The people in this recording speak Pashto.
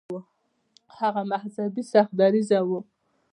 هغه مذهبي سخت دریځه و.